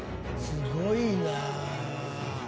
「すごいな」